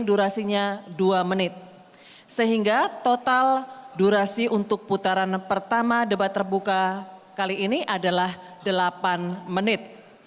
durasinya dua menit sehingga total durasi untuk putaran pertama debat terbuka kali ini adalah delapan menit